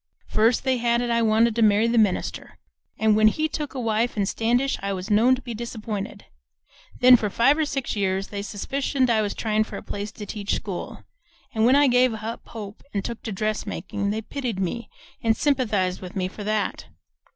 First they had it I wanted to marry the minister, and when he took a wife in Standish I was known to be disappointed. Then for five or six years they suspicioned I was tryin' for a place to teach school, and when I gave up hope, an' took to dressmakin', they pitied me and sympathized with me for that.